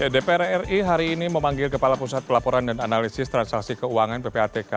dpr ri hari ini memanggil kepala pusat pelaporan dan analisis transaksi keuangan ppatk